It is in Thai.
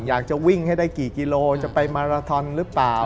อยากจะวิ่งให้ได้กี่กิโลจะไปมาราทอนหรือเปล่า